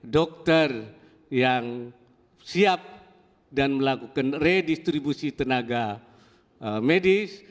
dokter yang siap dan melakukan redistribusi tenaga medis